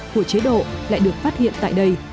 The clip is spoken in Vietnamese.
của chế độ lại được phát hiện tại đây